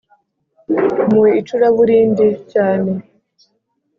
mu icuraburindi cyane